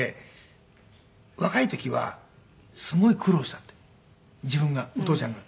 若い時はすごい苦労したって自分がお父ちゃんが。